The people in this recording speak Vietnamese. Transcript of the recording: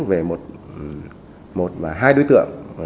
về một và hai đối tượng